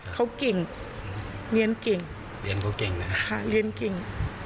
เขาเก่งเรียนเก่ง